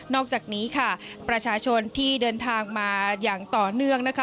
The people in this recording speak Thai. อกจากนี้ค่ะประชาชนที่เดินทางมาอย่างต่อเนื่องนะคะ